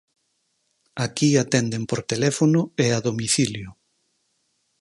Aquí atenden por teléfono e a domicilio.